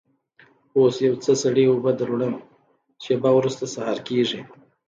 اوس یو څه سړې اوبه در وړم، شېبه وروسته سهار کېږي.